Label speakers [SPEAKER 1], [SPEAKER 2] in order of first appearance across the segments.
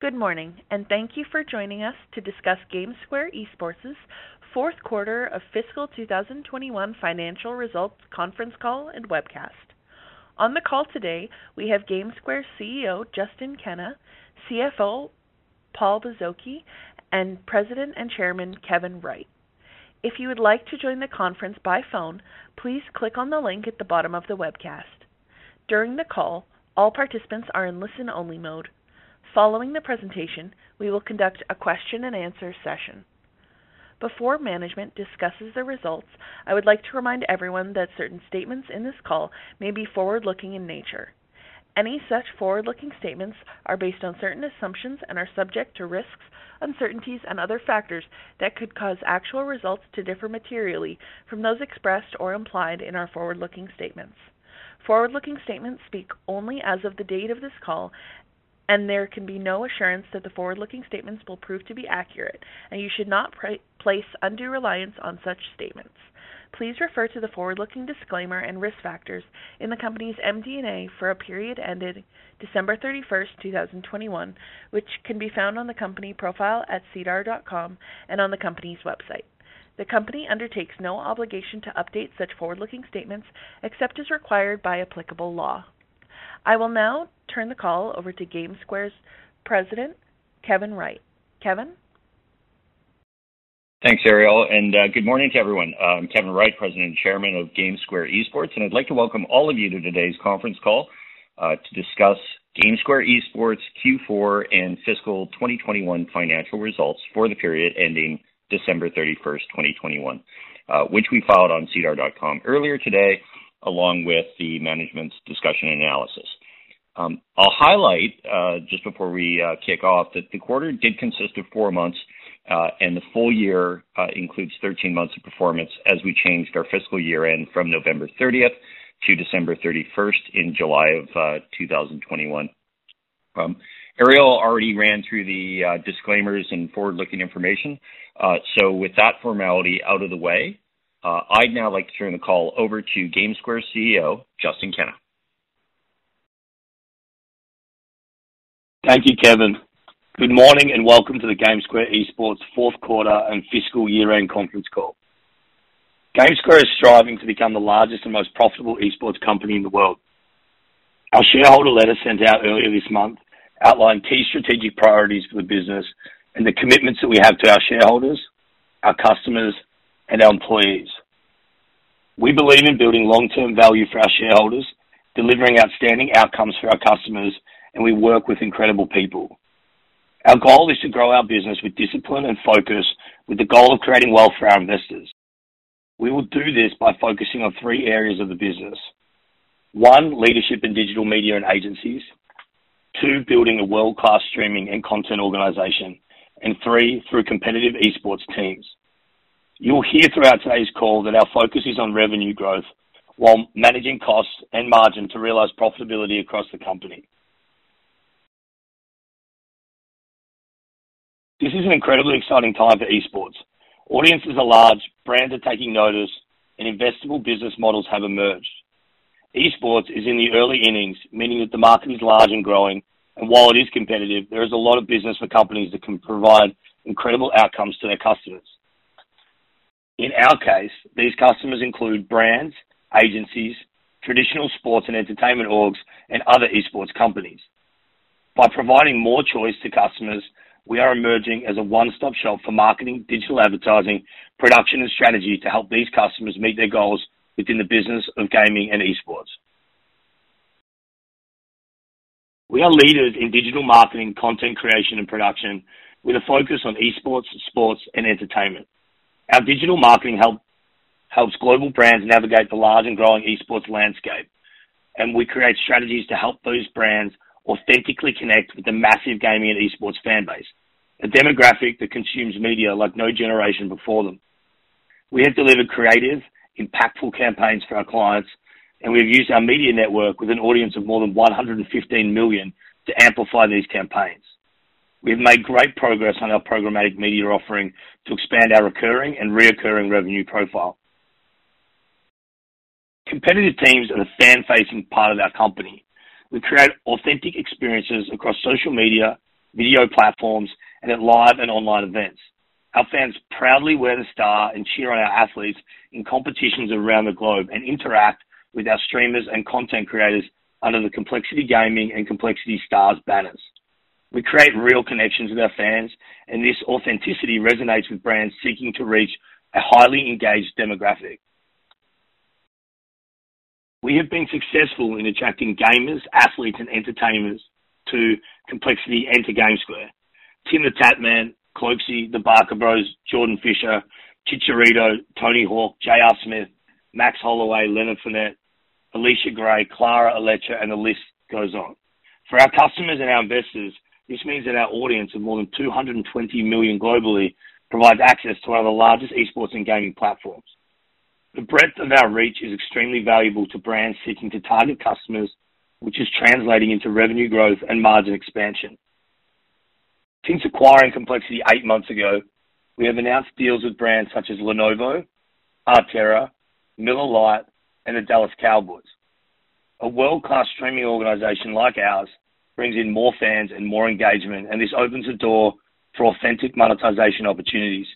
[SPEAKER 1] Good morning, and thank you for joining us to discuss GameSquare Esports fourth quarter of fiscal 2021 financial results conference call and webcast. On the call today, we have GameSquare CEO, Justin Kenna, CFO Paul Bozoki, and President and Chairman Kevin Wright. If you would like to join the conference by phone, please click on the link at the bottom of the webcast. During the call, all participants are in listen-only mode. Following the presentation, we will conduct a question-and-answer session. Before management discusses the results, I would like to remind everyone that certain statements in this call may be forward-looking in nature. Any such forward-looking statements are based on certain assumptions and are subject to risks, uncertainties and other factors that could cause actual results to differ materially from those expressed or implied in our forward-looking statements. Forward-looking statements speak only as of the date of this call, and there can be no assurance that the forward-looking statements will prove to be accurate, and you should not place undue reliance on such statements. Please refer to the forward-looking disclaimer and risk factors in the company's MD&A for a period ending December 31, 2021, which can be found on the company profile at SEDAR.com and on the company's website. The company undertakes no obligation to update such forward-looking statements except as required by applicable law. I will now turn the call over to GameSquare's president, Kevin Wright. Kevin.
[SPEAKER 2] Thanks, Ariel, and good morning to everyone. I'm Kevin Wright, President and Chairman of GameSquare Esports, and I'd like to welcome all of you to today's conference call to discuss GameSquare Esports Q4 and fiscal 2021 financial results for the period ending December 31st, 2021, which we filed on SEDAR.com earlier today, along with the management's discussion and analysis. I'll highlight just before we kick off that the quarter did consist of four months, and the full year includes 13 months of performance as we changed our fiscal year-end from November 30th to December 31st in July of 2021. Ariel already ran through the disclaimers and forward-looking information. With that formality out of the way, I'd now like to turn the call over to GameSquare CEO, Justin Kenna.
[SPEAKER 3] Thank you, Kevin. Good morning and welcome to the GameSquare Esports fourth quarter and fiscal year-end conference call. GameSquare is striving to become the largest and most profitable esports company in the world. Our shareholder letter sent out earlier this month outlined key strategic priorities for the business and the commitments that we have to our shareholders, our customers, and our employees. We believe in building long-term value for our shareholders, delivering outstanding outcomes for our customers, and we work with incredible people. Our goal is to grow our business with discipline and focus with the goal of creating wealth for our investors. We will do this by focusing on three areas of the business. One, leadership in digital media and agencies. Two, building a world-class streaming and content organization. Three, through competitive esports teams. You'll hear throughout today's call that our focus is on revenue growth while managing costs and margin to realize profitability across the company. This is an incredibly exciting time for esports. Audiences are large, brands are taking notice, and investable business models have emerged. Esports is in the early innings, meaning that the market is large and growing, and while it is competitive, there is a lot of business for companies that can provide incredible outcomes to their customers. In our case, these customers include brands, agencies, traditional sports and entertainment orgs, and other esports companies. By providing more choice to customers, we are emerging as a one-stop shop for marketing, digital advertising, production, and strategy to help these customers meet their goals within the business of gaming and esports. We are leaders in digital marketing, content creation, and production with a focus on esports, sports, and entertainment. Our digital marketing helps global brands navigate the large and growing esports landscape, and we create strategies to help those brands authentically connect with the massive gaming and esports fan base, a demographic that consumes media like no generation before them. We have delivered creative, impactful campaigns for our clients, and we've used our media network with an audience of more than 115 million to amplify these campaigns. We've made great progress on our programmatic media offering to expand our recurring and reoccurring revenue profile. Competitive teams are the fan-facing part of our company. We create authentic experiences across social media, video platforms, and at live and online events. Our fans proudly wear the star and cheer on our athletes in competitions around the globe and interact with our streamers and content creators under the Complexity Gaming and Complexity Stars banners. We create real connections with our fans, and this authenticity resonates with brands seeking to reach a highly engaged demographic. We have been successful in attracting gamers, athletes, and entertainers to Complexity and to GameSquare. TimTheTatMan, Cloakzy, the Baka Bros, Jordan Fisher, Chicharito, Tony Hawk, J.R. Smith, Max Holloway, Leonard Fournette, Allisha Gray, Clara Allecha, and the list goes on. For our customers and our investors, this means that our audience of more than 220 million globally provides access to one of the largest esports and gaming platforms. The breadth of our reach is extremely valuable to brands seeking to target customers, which is translating into revenue growth and margin expansion. Since acquiring Complexity eight months ago, we have announced deals with brands such as Lenovo, ARterra, Miller Lite, and the Dallas Cowboys. A world-class streaming organization like ours brings in more fans and more engagement, and this opens the door for authentic monetization opportunities,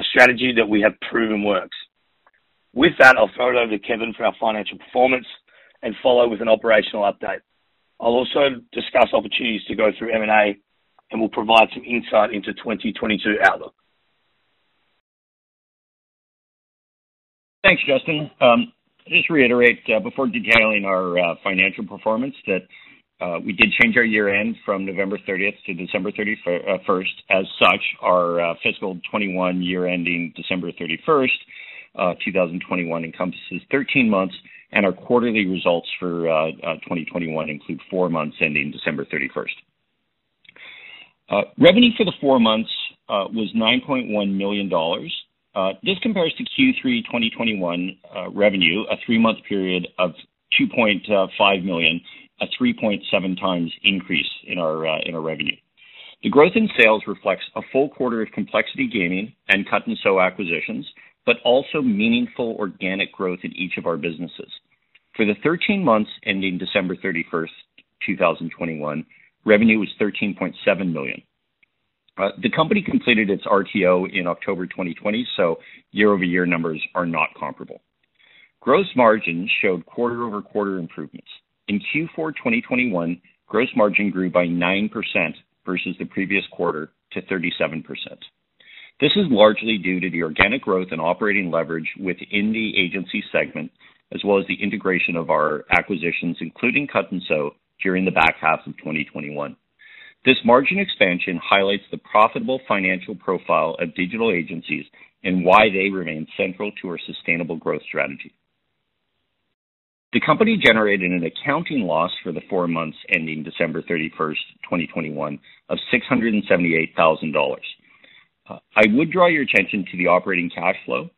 [SPEAKER 3] a strategy that we have proven works. With that, I'll throw it over to Kevin for our financial performance and follow with an operational update. I'll also discuss opportunities to go through M&A, and we'll provide some insight into 2022 outlook.
[SPEAKER 2] Thanks, Justin. Just reiterate before detailing our financial performance that we did change our year-end from November thirtieth to December first. As such, our fiscal 2021 year ending December thirty-first, 2021 encompasses 13 months, and our quarterly results for 2021 include four months ending December thirty-first. Revenue for the four months was $9.1 million. This compares to Q3 2021 revenue, a 3-month period of $2.5 million, a 3.7x increase in our revenue. The growth in sales reflects a full quarter of Complexity Gaming and Cut+Sew acquisitions, but also meaningful organic growth in each of our businesses. For the 13 months ending December thirty-first, 2021, revenue was $13.7 million. The company completed its RTO in October 2020, so year-over-year numbers are not comparable. Gross margin showed quarter-over-quarter improvements. In Q4 2021, gross margin grew by 9% versus the previous quarter to 37%. This is largely due to the organic growth and operating leverage within the agency segment, as well as the integration of our acquisitions, including Cut + Sew during the back half of 2021. This margin expansion highlights the profitable financial profile of digital agencies and why they remain central to our sustainable growth strategy. The company generated an accounting loss for the four months ending December 31, 2021 of $678 thousand. I would draw your attention to the operating cash flow.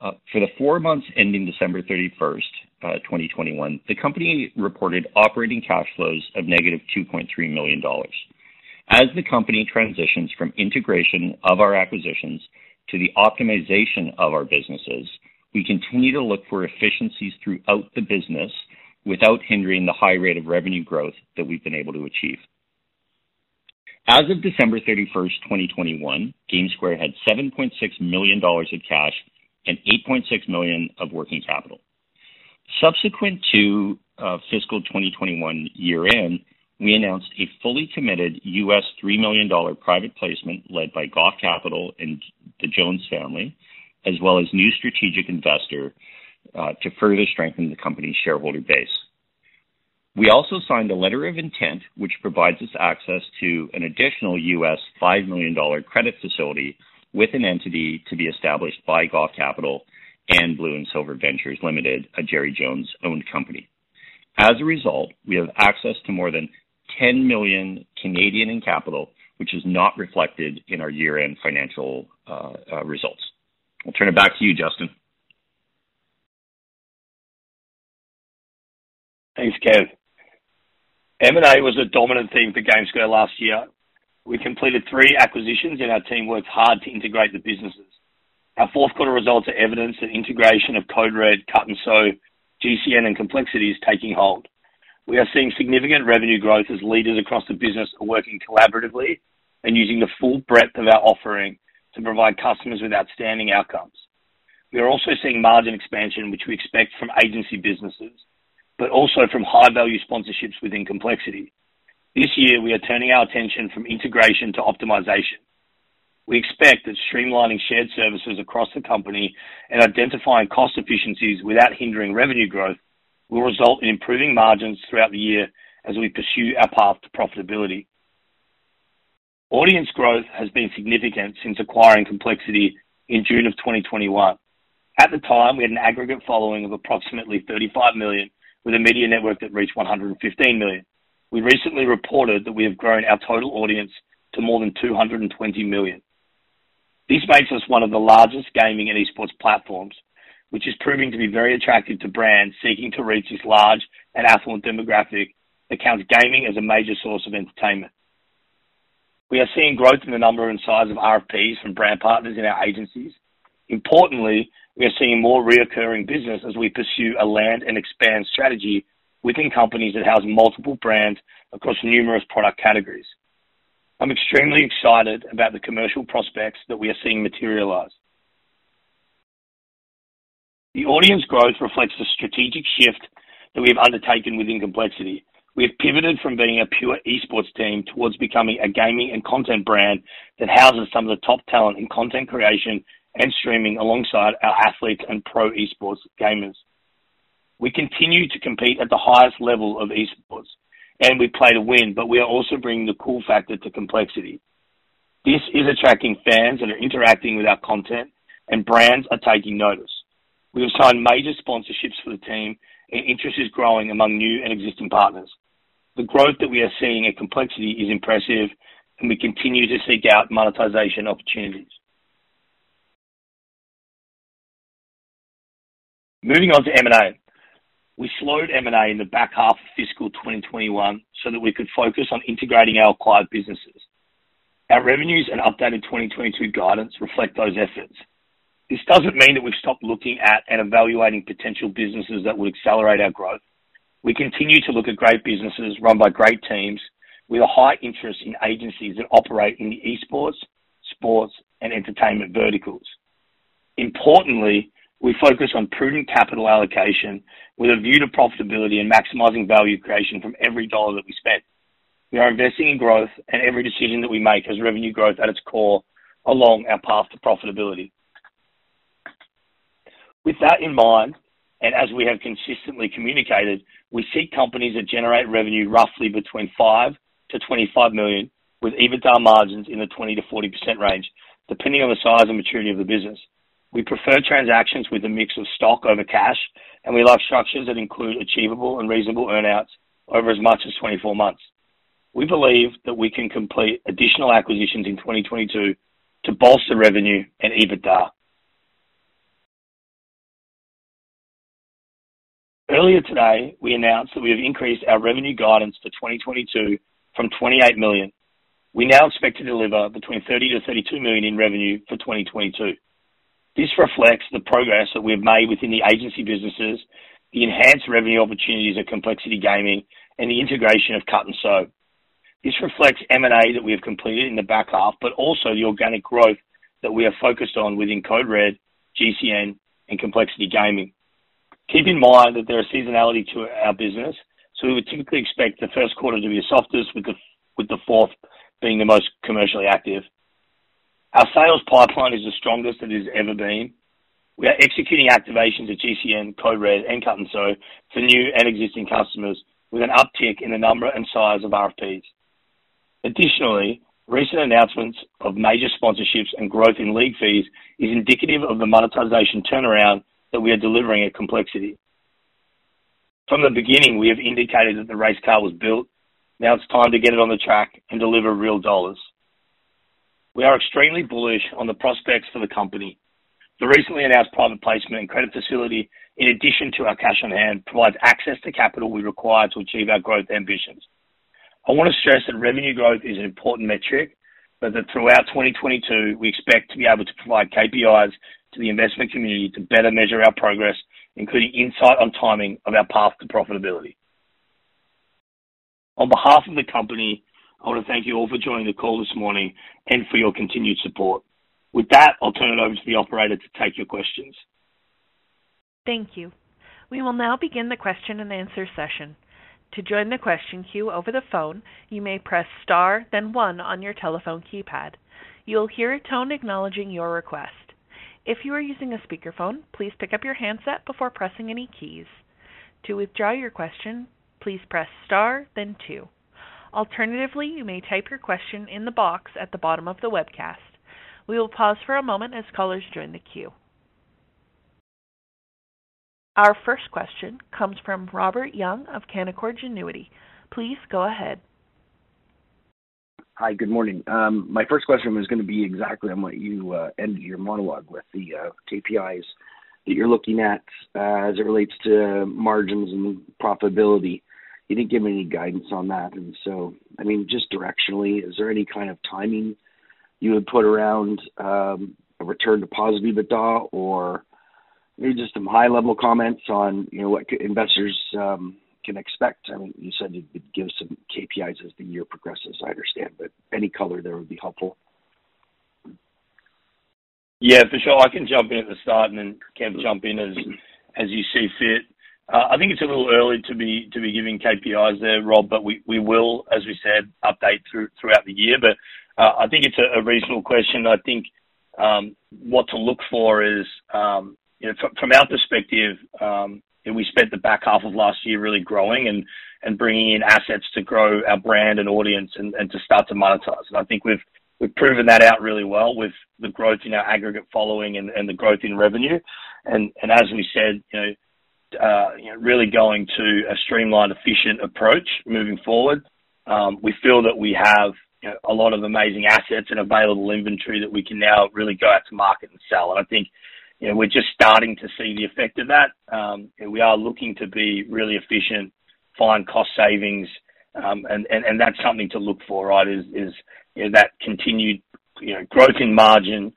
[SPEAKER 2] For the four months ending December 31, 2021, the company reported operating cash flows of -$2.3 million. As the company transitions from integration of our acquisitions to the optimization of our businesses, we continue to look for efficiencies throughout the business without hindering the high rate of revenue growth that we've been able to achieve. As of December 31, 2021, GameSquare had $7.6 million in cash and $8.6 million of working capital. Subsequent to fiscal 2021 year end, we announced a fully committed $3 million private placement led by Goff Capital and the Jones family, as well as new strategic investor to further strengthen the company's shareholder base. We also signed a letter of intent, which provides us access to an additional $5 million credit facility with an entity to be established by Goff Capital and Blue & Silver Ventures, Ltd., a Jerry Jones-owned company. As a result, we have access to more than 10 million in capital, which is not reflected in our year-end financial results. I'll turn it back to you, Justin.
[SPEAKER 3] Thanks, Kev. M&A was a dominant theme for GameSquare last year. We completed three acquisitions, and our team worked hard to integrate the businesses. Our fourth quarter results are evidence that integration of Code Red, Cut+Sew, GCN, and Complexity is taking hold. We are seeing significant revenue growth as leaders across the business are working collaboratively and using the full breadth of our offering to provide customers with outstanding outcomes. We are also seeing margin expansion, which we expect from agency businesses, but also from high-value sponsorships within Complexity. This year, we are turning our attention from integration to optimization. We expect that streamlining shared services across the company and identifying cost efficiencies without hindering revenue growth will result in improving margins throughout the year as we pursue our path to profitability. Audience growth has been significant since acquiring Complexity in June of 2021. At the time, we had an aggregate following of approximately $35 million, with a media network that reached $115 million. We recently reported that we have grown our total audience to more than $220 million. This makes us one of the largest gaming and esports platforms, which is proving to be very attractive to brands seeking to reach this large and affluent demographic that counts gaming as a major source of entertainment. We are seeing growth in the number and size of RFPs from brand partners in our agencies. Importantly, we are seeing more recurring business as we pursue a land and expand strategy within companies that house multiple brands across numerous product categories. I'm extremely excited about the commercial prospects that we are seeing materialize. The audience growth reflects the strategic shift that we have undertaken within Complexity. We have pivoted from being a pure esports team towards becoming a gaming and content brand that houses some of the top talent in content creation and streaming alongside our athletes and pro esports gamers. We continue to compete at the highest level of esports, and we play to win, but we are also bringing the cool factor to Complexity. This is attracting fans that are interacting with our content, and brands are taking notice. We have signed major sponsorships for the team, and interest is growing among new and existing partners. The growth that we are seeing at Complexity is impressive, and we continue to seek out monetization opportunities. Moving on to M&A. We slowed M&A in the back half of fiscal 2021 so that we could focus on integrating our acquired businesses. Our revenues and updated 2022 guidance reflect those efforts. This doesn't mean that we've stopped looking at and evaluating potential businesses that will accelerate our growth. We continue to look at great businesses run by great teams with a high interest in agencies that operate in the esports, sports, and entertainment verticals. Importantly, we focus on prudent capital allocation with a view to profitability and maximizing value creation from every dollar that we spend. We are investing in growth, and every decision that we make has revenue growth at its core along our path to profitability. With that in mind, and as we have consistently communicated, we seek companies that generate revenue roughly between $5 million-$25 million, with EBITDA margins in the 20%-40% range, depending on the size and maturity of the business. We prefer transactions with a mix of stock over cash, and we like structures that include achievable and reasonable earn-outs over as much as 24 months. We believe that we can complete additional acquisitions in 2022 to bolster revenue and EBITDA. Earlier today, we announced that we have increased our revenue guidance for 2022 from $28 million. We now expect to deliver between $30-$32 million in revenue for 2022. This reflects the progress that we've made within the agency businesses, the enhanced revenue opportunities at Complexity Gaming, and the integration of Cut+Sew. This reflects M&A that we have completed in the back half, but also the organic growth that we are focused on within Code Red, GCN, and Complexity Gaming. Keep in mind that there is seasonality to our business, so we would typically expect the first quarter to be the softest, with the fourth being the most commercially active. Our sales pipeline is the strongest it has ever been. We are executing activations at GCN, Code Red, and Cut+Sew for new and existing customers with an uptick in the number and size of RFPs. Additionally, recent announcements of major sponsorships and growth in league fees is indicative of the monetization turnaround that we are delivering at Complexity. From the beginning, we have indicated that the race car was built. Now it's time to get it on the track and deliver real dollars. We are extremely bullish on the prospects for the company. The recently announced private placement and credit facility, in addition to our cash on hand, provides access to capital we require to achieve our growth ambitions. I want to stress that revenue growth is an important metric, but that throughout 2022, we expect to be able to provide KPIs to the investment community to better measure our progress, including insight on timing of our path to profitability. On behalf of the company, I want to thank you all for joining the call this morning and for your continued support. With that, I'll turn it over to the operator to take your questions.
[SPEAKER 1] Thank you. We will now begin the question and answer session. To join the question queue over the phone, you may press star then one on your telephone keypad. You will hear a tone acknowledging your request. If you are using a speakerphone, please pick up your handset before pressing any keys. To withdraw your question, please press star then two. Alternatively, you may type your question in the box at the bottom of the webcast. We will pause for a moment as callers join the queue. Our first question comes from Robert Young of Canaccord Genuity. Please go ahead.
[SPEAKER 4] Hi, good morning. My first question was gonna be exactly on what you ended your monologue with, the KPIs that you're looking at as it relates to margins and profitability. You didn't give any guidance on that. I mean, just directionally, is there any kind of timing you would put around a return to positive EBITDA? Or maybe just some high-level comments on, you know, what investors can expect. I mean, you said you'd give some KPIs as the year progresses, I understand, but any color there would be helpful.
[SPEAKER 3] Yeah, for sure. I can jump in at the start and then Kev jump in as you see fit. I think it's a little early to be giving KPIs there, Rob, but we will, as we said, update throughout the year. I think it's a reasonable question. I think what to look for is you know, from our perspective, you know, we spent the back half of last year really growing and bringing in assets to grow our brand and audience and to start to monetize. I think we've proven that out really well with the growth in our aggregate following and the growth in revenue. As we said, you know, you know, really going to a streamlined, efficient approach moving forward. We feel that we have, you know, a lot of amazing assets and available inventory that we can now really go out to market and sell. I think, you know, we're just starting to see the effect of that. We are looking to be really efficient, find cost savings, and that's something to look for, right? That continued, you know, growth in margin,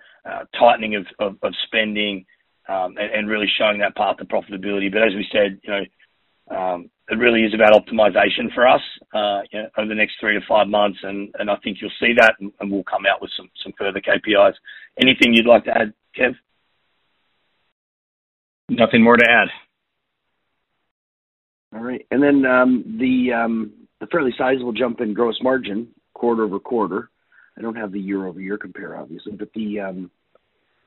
[SPEAKER 3] tightening of spending, and really showing that path to profitability. As we said, you know, it really is about optimization for us, you know, over the next 3-5 months. I think you'll see that and we'll come out with some further KPIs. Anything you'd like to add, Kev?
[SPEAKER 2] Nothing more to add.
[SPEAKER 4] All right. Then, the fairly sizable jump in gross margin quarter-over-quarter. I don't have the year-over-year compare, obviously, but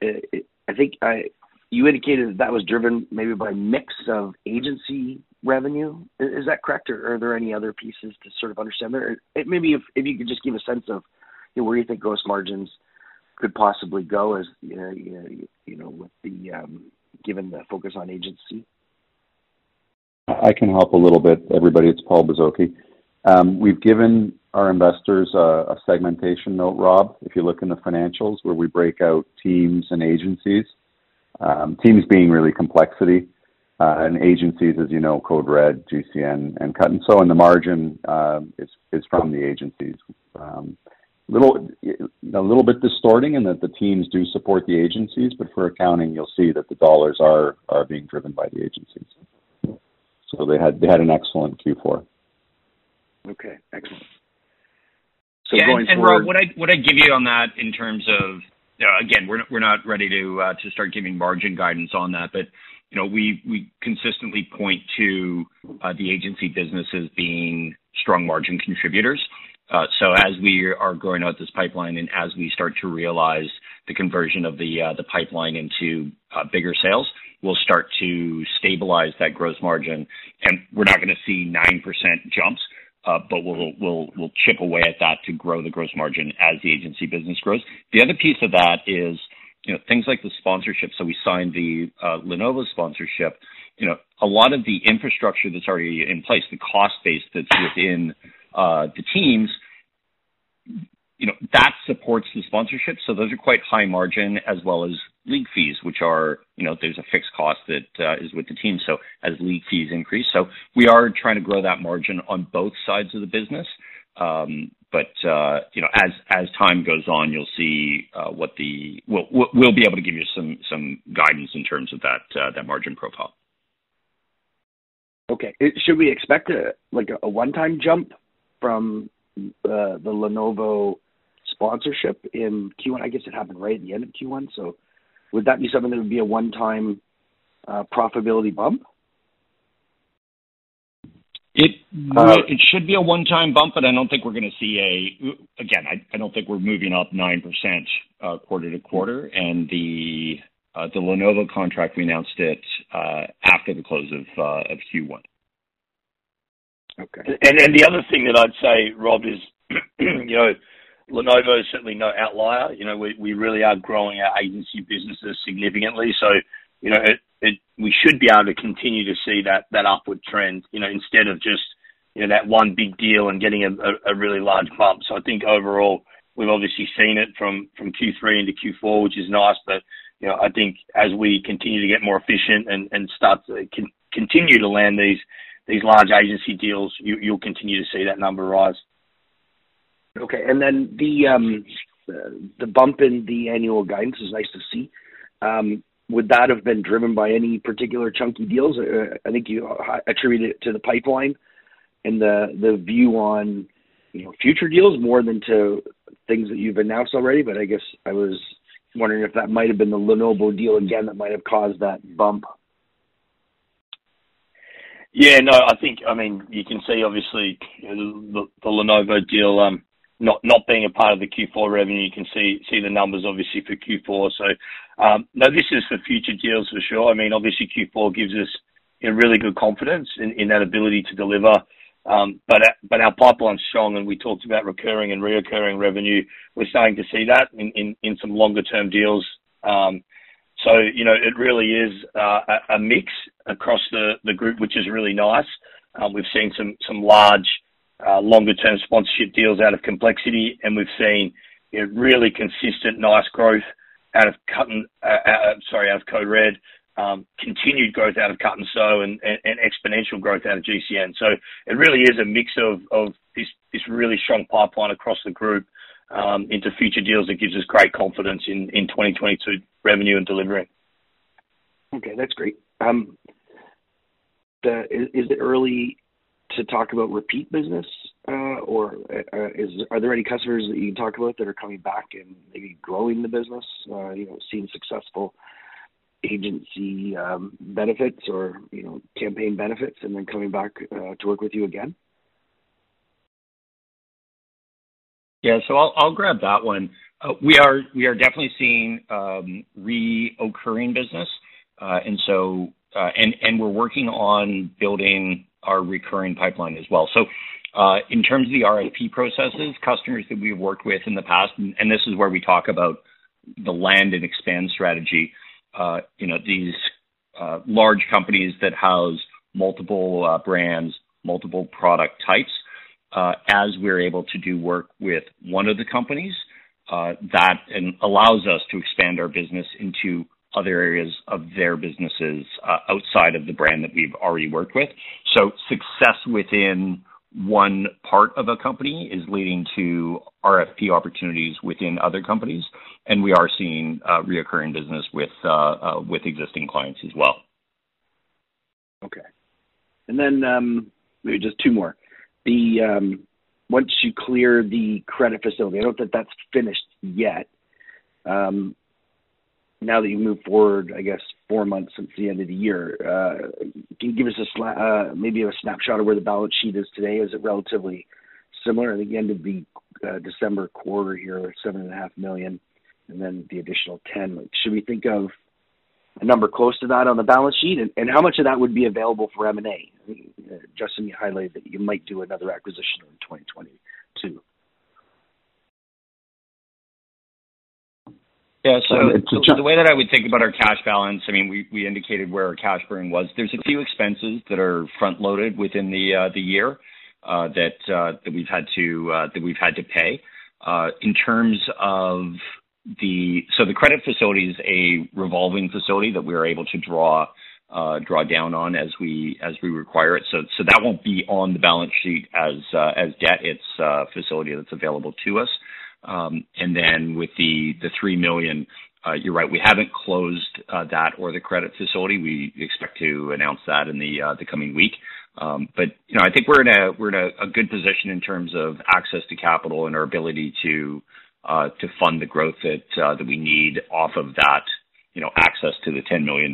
[SPEAKER 4] I think you indicated that was driven maybe by mix of agency revenue. Is that correct? Or are there any other pieces to sort of understand there? Or maybe if you could just give a sense of, you know, where you think gross margins could possibly go, as you know, with the given focus on agency?
[SPEAKER 5] I can help a little bit, everybody. It's Paul Bozoki. We've given our investors a segmentation note, Rob, if you look in the financials where we break out teams and agencies. Teams being really Complexity, and agencies, as you know, Code Red, GCN and Cut+Sew in the margin, is from the agencies. A little bit distorting in that the teams do support the agencies, but for accounting, you'll see that the dollars are being driven by the agencies. They had an excellent Q4.
[SPEAKER 4] Okay, excellent.
[SPEAKER 5] Going forward.
[SPEAKER 2] Yeah, Rob, what I'd give you on that in terms of. Again, we're not ready to start giving margin guidance on that. You know, we consistently point to the agency businesses being strong margin contributors. So as we are growing out this pipeline and as we start to realize the conversion of the pipeline into bigger sales, we'll start to stabilize that gross margin. We're not gonna see 9% jumps, but we'll chip away at that to grow the gross margin as the agency business grows. The other piece of that is, you know, things like the sponsorship. We signed the Lenovo sponsorship. You know, a lot of the infrastructure that's already in place, the cost base that's within the teams, you know, that supports the sponsorship. Those are quite high margin as well as league fees, which are, you know, there's a fixed cost that is with the team, so as league fees increase. We are trying to grow that margin on both sides of the business. You know, as time goes on, you'll see. We'll be able to give you some guidance in terms of that margin profile.
[SPEAKER 4] Okay. Should we expect a, like a one-time jump from the Lenovo sponsorship in Q1? I guess it happened right at the end of Q1. Would that be something that would be a one-time profitability bump?
[SPEAKER 2] It should be a one-time bump, but I don't think we're gonna see a gain. I don't think we're moving up 9% quarter-over-quarter. The Lenovo contract, we announced it after the close of Q1.
[SPEAKER 4] Okay.
[SPEAKER 3] The other thing that I'd say, Rob, is, you know, Lenovo is certainly no outlier. You know, we really are growing our agency businesses significantly. You know, we should be able to continue to see that upward trend, you know, instead of just, you know, that one big deal and getting a really large bump. I think overall, we've obviously seen it from Q3 into Q4, which is nice. You know, I think as we continue to get more efficient and start continue to land these large agency deals, you'll continue to see that number rise.
[SPEAKER 4] Okay. The bump in the annual guidance is nice to see. Would that have been driven by any particular chunky deals? I think you attributed it to the pipeline and the view on, you know, future deals more than to things that you've announced already. I guess I was wondering if that might have been the Lenovo deal again that might have caused that bump.
[SPEAKER 3] Yeah, no. I think, I mean, you can see obviously the Lenovo deal not being a part of the Q4 revenue. You can see the numbers obviously for Q4. No, this is for future deals for sure. I mean, obviously Q4 gives us a really good confidence in that ability to deliver. Our pipeline's strong, and we talked about recurring and reoccurring revenue. We're starting to see that in some longer term deals. You know, it really is a mix across the group, which is really nice. We've seen some large longer term sponsorship deals out of Complexity, and we've seen a really consistent nice growth out of Code Red. Continued growth out of Cut+Sew and exponential growth out of GCN. It really is a mix of this really strong pipeline across the group into future deals that gives us great confidence in 2022 revenue and delivery.
[SPEAKER 4] Okay, that's great. Is it early to talk about repeat business? Or are there any customers that you can talk about that are coming back and maybe growing the business? You know, seeing successful agency benefits or, you know, campaign benefits and then coming back to work with you again?
[SPEAKER 2] Yeah. So I'll grab that one. We are definitely seeing recurring business. We're working on building our recurring pipeline as well. In terms of the RFP processes, customers that we've worked with in the past, and this is where we talk about the land and expand strategy, you know, these large companies that house multiple brands, multiple product types, as we're able to do work with one of the companies, that and allows us to expand our business into other areas of their businesses, outside of the brand that we've already worked with. Success within one part of a company is leading to RFP opportunities within other companies, and we are seeing recurring business with existing clients as well.
[SPEAKER 4] Okay. Maybe just two more. Once you clear the credit facility, I don't think that's finished yet. Now that you've moved forward, I guess 4 months since the end of the year, can you give us maybe a snapshot of where the balance sheet is today? Is it relatively similar? At the end of the December quarter here, $7.5 million, and then the additional $10 million. Should we think of a number close to that on the balance sheet? How much of that would be available for M&A? Justin, you highlighted that you might do another acquisition.
[SPEAKER 2] The way that I would think about our cash balance, I mean, we indicated where our cash burn was. There's a few expenses that are front-loaded within the year that we've had to pay. In terms of the credit facility, it is a revolving facility that we are able to draw down on as we require it. That won't be on the balance sheet as debt. It's a facility that's available to us. With the $3 million, you're right, we haven't closed that or the credit facility. We expect to announce that in the coming week. I think we're in a good position in terms of access to capital and our ability to fund the growth that we need off of that, you know, access to the $10 million.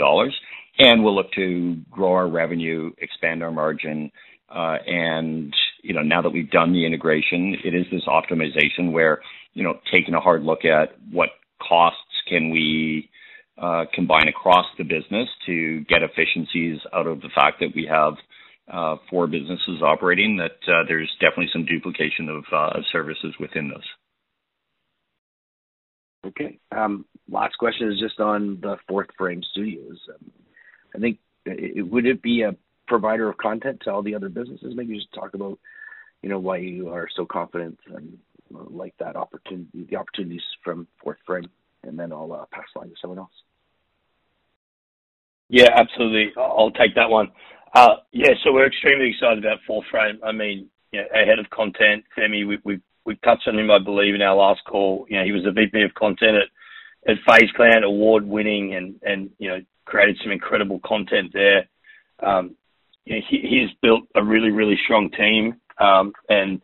[SPEAKER 2] We'll look to grow our revenue, expand our margin, and, you know, now that we've done the integration, it is this optimization where, you know, taking a hard look at what costs can we combine across the business to get efficiencies out of the fact that we have 4 businesses operating that there's definitely some duplication of services within those.
[SPEAKER 4] Okay. Last question is just on the Fourth Frame Studios. I think would it be a provider of content to all the other businesses? Maybe just talk about, you know, why you are so confident and like that opportunity, the opportunities from Fourth Frame, and then I'll pass the line to someone else.
[SPEAKER 3] Yeah, absolutely. I'll take that one. Yeah, so we're extremely excited about Fourth Frame. I mean, you know, head of content, Femi, we've touched on him, I believe, in our last call. You know, he was the VP of content at FaZe Clan, award-winning and, you know, created some incredible content there. You know, he's built a really strong team. And,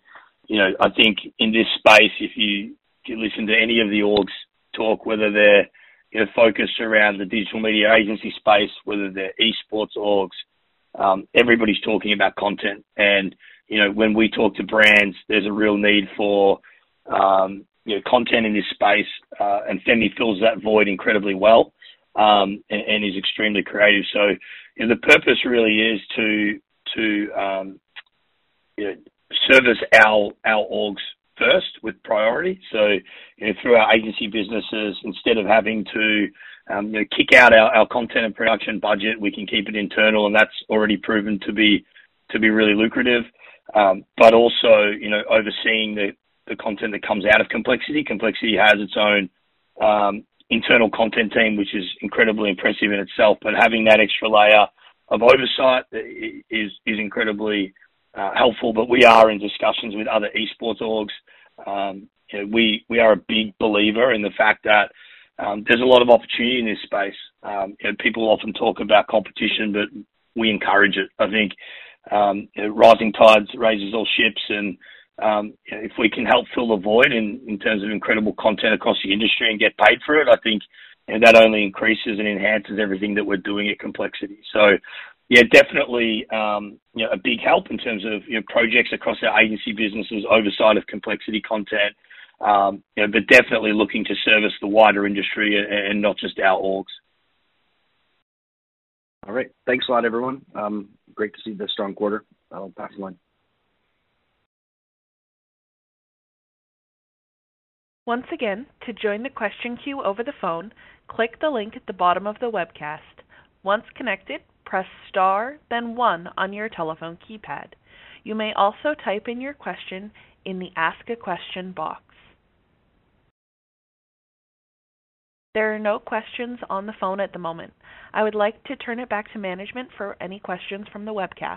[SPEAKER 3] you know, I think in this space, if you listen to any of the orgs talk, whether they're, you know, focused around the digital media agency space, whether they're esports orgs, everybody's talking about content. You know, when we talk to brands, there's a real need for, you know, content in this space, and Femi fills that void incredibly well, and is extremely creative. You know, the purpose really is to service our orgs first with priority. You know, through our agency businesses, instead of having to kick out our content and production budget, we can keep it internal, and that's already proven to be really lucrative. Also, overseeing the content that comes out of Complexity. Complexity has its own internal content team, which is incredibly impressive in itself. Having that extra layer of oversight is incredibly helpful. We are in discussions with other esports orgs. You know, we are a big believer in the fact that there's a lot of opportunity in this space. You know, people often talk about competition, but we encourage it. I think, you know, rising tides raises all ships and, if we can help fill the void in terms of incredible content across the industry and get paid for it, I think that only increases and enhances everything that we're doing at Complexity. Yeah, definitely, you know, a big help in terms of, you know, projects across our agency businesses, oversight of Complexity content, you know. Definitely looking to service the wider industry and not just our orgs.
[SPEAKER 4] All right. Thanks a lot, everyone. Great to see the strong quarter. I'll pass the line.
[SPEAKER 1] Once again, to join the question queue over the phone, click the link at the bottom of the webcast. Once connected, press star then one on your telephone keypad. You may also type in your question in the ask a question box. There are no questions on the phone at the moment. I would like to turn it back to management for any questions from the webcast.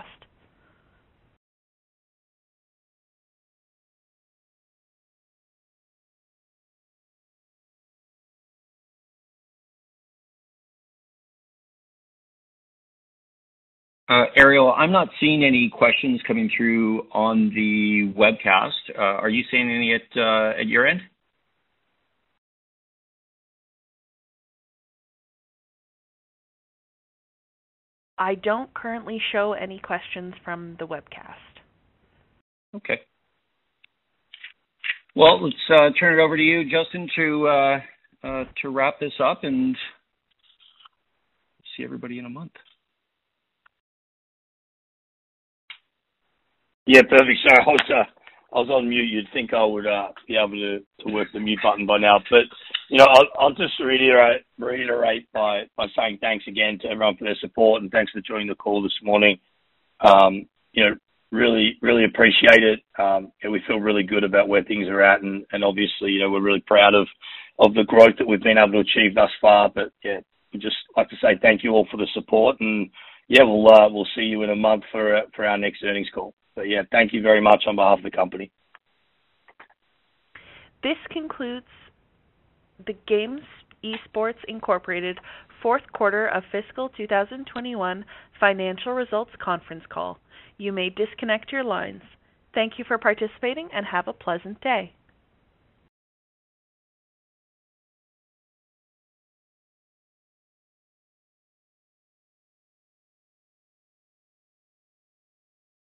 [SPEAKER 2] Ariel, I'm not seeing any questions coming through on the webcast. Are you seeing any at your end?
[SPEAKER 1] I don't currently show any questions from the webcast.
[SPEAKER 2] Okay. Well, let's turn it over to you, Justin, to wrap this up, and see everybody in a month.
[SPEAKER 3] Yeah, perfect. So I was on mute. You'd think I would be able to work the mute button by now. You know, I'll just reiterate by saying thanks again to everyone for their support. Thanks for joining the call this morning. You know, really appreciate it. We feel really good about where things are at. Obviously, you know, we're really proud of the growth that we've been able to achieve thus far. Yeah, we'd just like to say thank you all for the support. Yeah, we'll see you in a month for our next earnings call. Yeah, thank you very much on behalf of the company.
[SPEAKER 1] This concludes the GameSquare Esports Inc. fourth quarter of fiscal 2021 financial results conference call. You may disconnect your lines. Thank you for participating, and have a pleasant day.